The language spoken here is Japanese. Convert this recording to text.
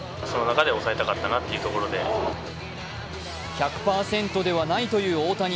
１００％ではないという大谷。